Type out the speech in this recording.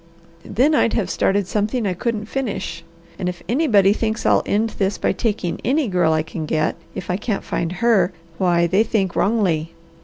Then I'd have started something I couldn't finish. And if anybody thinks I'll end this by taking any girl I can get, if I can't find Her, why they think wrongly.